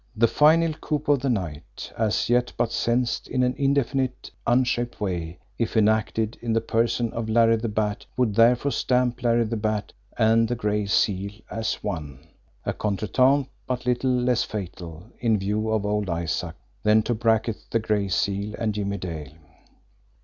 The final coup of the night, as yet but sensed in an indefinite, unshaped way, if enacted in the person of Larry the Bat would therefore stamp Larry the Bat and the Gray Seal as one a contretemps but little less fatal, in view of old Issac, than to bracket the Gray Seal and Jimmie Dale!